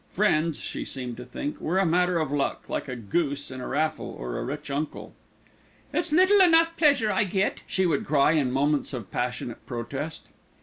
Friends, she seemed to think, were a matter of luck, like a goose in a raffle, or a rich uncle. "It's little enough pleasure I get," she would cry, in moments of passionate protest.